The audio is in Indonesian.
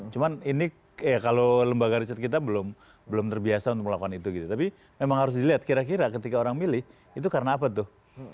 cuma ini ya kalau lembaga riset kita belum terbiasa untuk melakukan itu gitu tapi memang harus dilihat kira kira ketika orang milih itu karena apa tuh